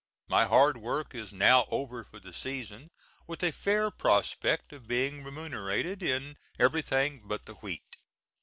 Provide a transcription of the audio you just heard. My hard work is now over for the season with a fair prospect of being remunerated in everything but the wheat.